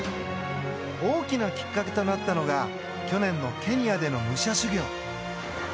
大きなきっかけとなったのが去年のケニアでの武者修行。